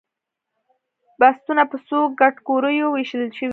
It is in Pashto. بستونه په څو کټګوریو ویشل شوي؟